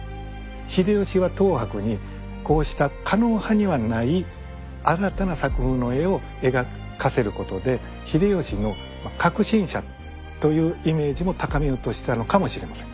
秀吉は等伯にこうした狩野派にはない新たな作風の絵を描かせることで秀吉の革新者というイメージも高めようとしてたのかもしれません。